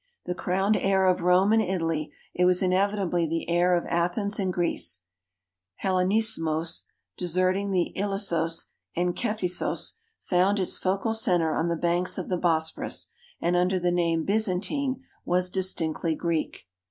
The crowned heir of Rome and Italy, it was inevitably the heir of Athens and Greece. Ilellenismos, deserting the Ilyssos and Kei>hi.ssos, found its focal center on the banks of the Uosphorus, and under the name Byzantine was distinctly Greek.